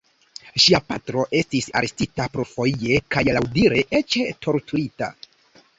Ŝia patro estis arestita plurfoje kaj laŭdire eĉ torturita.